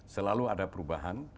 selalu ada perubahan